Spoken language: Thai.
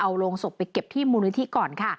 เอาโรงศพไปเก็บที่มูลนิธิก่อนค่ะ